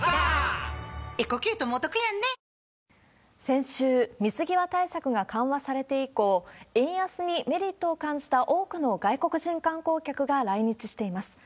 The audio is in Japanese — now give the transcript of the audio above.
先週、水際対策が緩和されて以降、円安にメリットを感じた多くの外国人観光客が来日しています。